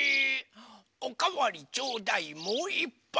「おかわりちょうだいもういっぱい！」